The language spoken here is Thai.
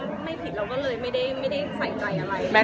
โอ้ยทุกคนคะพี่สงกันเมื่อกี้ค่ะ